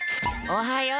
おはよう！